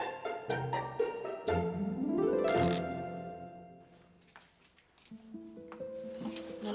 berisik loh rumah tidur juga